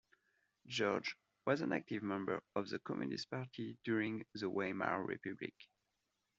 George was an active member of the Communist party during the Weimar Republic.